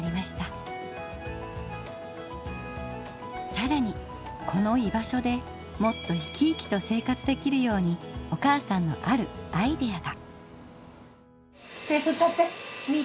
さらにこの居場所でもっと生き生きと生活できるようにお母さんのあるアイデアが。